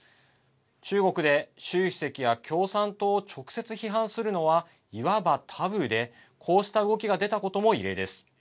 中国で習主席や共産党を直接批判するのはいわばタブーで、こうした動きが出たことも異例です。